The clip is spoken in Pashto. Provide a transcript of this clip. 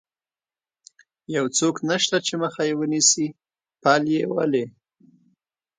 یو څوک نشته چې مخه یې ونیسي، پل یې ولې.